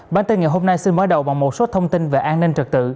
bản tin ngày hôm nay xin mở đầu bằng một số thông tin về an ninh